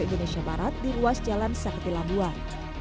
di indonesia barat di luas jalan sakti labuan